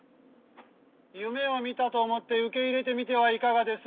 夢を見たと思って受け入れてみてはいかがです？